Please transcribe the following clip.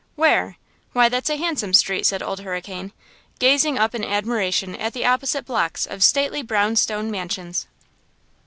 Where? Why that's a handsome street!" said Old Hurricane, gazing up in admiration at the opposite blocks of stately brown stone mansions.